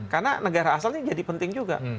karena negara asalnya jadi penting juga